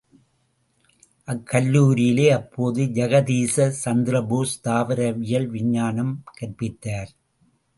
அக்கல்லூரியிலே அப்போது ஜகதீச சந்திரபோஸ் தாவரவியல் விஞ்ஞானம் கற்பித்தார்.